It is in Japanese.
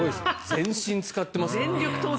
全身、使ってますね。